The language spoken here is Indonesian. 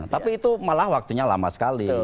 tapi itu malah waktunya lama sekali